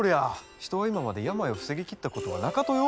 人は今まで病を防ぎきったことはなかとよ！